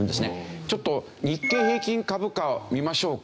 ちょっと日経平均株価を見ましょうか。